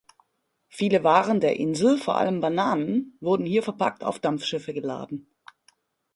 Viele Waren der Insel, vor allem Bananen, wurden hier verpackt auf Dampfschiffe geladen.